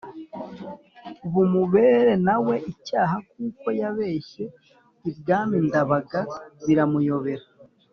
bumubere na we icyaha kuko yabeshye ibwami Ndabaga biramuyobera